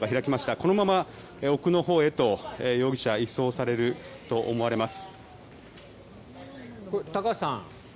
このまま奥のほうへと容疑者が移送されると思われます。